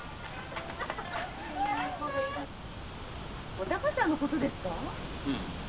お孝さんのことですか？